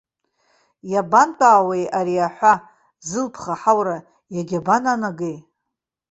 Иабантәаауеи ари аҳәа, зылԥха ҳаура, иагьабананагеи!